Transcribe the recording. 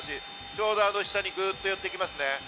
ちょうど下にぐっと寄っていきますね。